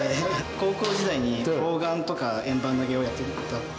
高校時代に砲丸とか円盤投げをやってたっていう。